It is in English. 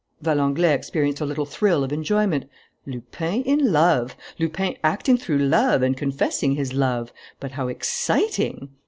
Valenglay experienced a little thrill of enjoyment. Lupin in love! Lupin acting through love and confessing his love! But how exciting!